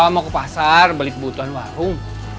mau ke pasar beli kebutuhan warung